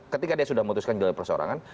ketika dia sudah memutuskan jual perseorangan